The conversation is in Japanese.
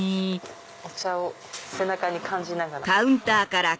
お茶を背中に感じながら。